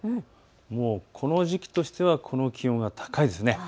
もうこの時期としては気温は高いです。